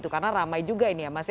karena ramai juga ini ya mas